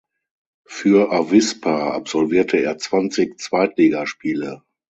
Für Avispa absolvierte er zwanzig Zweitligaspiele.